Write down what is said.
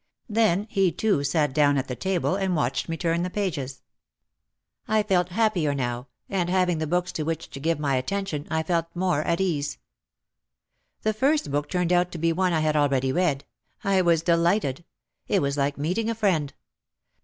Then he too sat down at the table and watched me turn the pages. I felt hap 220 OUT OF THE SHADOW pier now and having the books to which to give m}' attention I also felt more at ease. The first book turned out to be one I had already read. I was delighted. It was like meeting a friend.